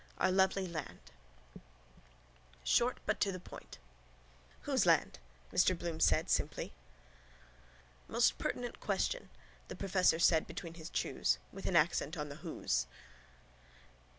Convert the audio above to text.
Our lovely land. SHORT BUT TO THE POINT —Whose land? Mr Bloom said simply. —Most pertinent question, the professor said between his chews. With an accent on the whose.